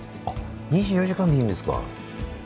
２４時間でいいんですか。